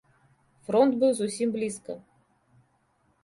Фронт быў зусім блізка.